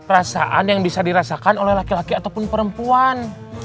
perasaan yang bisa dirasakan oleh laki laki ataupun perempuan